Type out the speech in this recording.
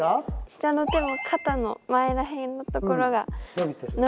下の手も肩の前ら辺のところが伸びてます。